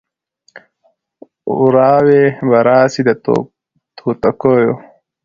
وراوي به راسي د توتکیو